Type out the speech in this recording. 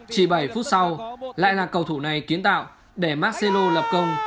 chỉ bảy phút sau lại là cầu thủ này kiến tạo để marcelo lập công